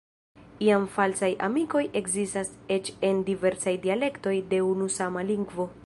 Iam falsaj amikoj ekzistas eĉ en diversaj dialektoj de unu sama lingvo.